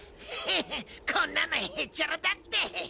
へへんこんなのへっちゃらだって。